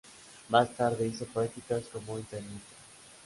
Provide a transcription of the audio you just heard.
Más tarde hizo prácticas como internista.